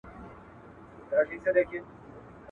د چا له کوره وشړمه سیوری د شیطان.